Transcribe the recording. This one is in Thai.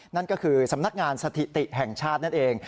นั่นก็คือสำนักงานสถิติแห่งชาตินั่นเอง